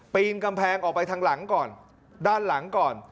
ปีนกำแพงออกไปทางหลังก่อนด้านหลังก่อน